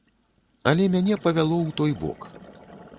Але мяне павяло ў той бок.